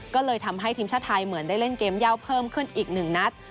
ก็เลยทำให้ทีมชาติไทยเหมือนได้เล่นเกมเย่าเพิ่มขึ้นอีกหนึ่งนัด